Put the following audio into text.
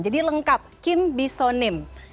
jadi lengkap kim biso nim